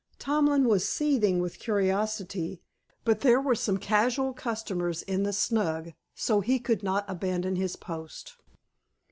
Tomlin was seething with curiosity, but there were some casual customers in the "snug," so he could not abandon his post.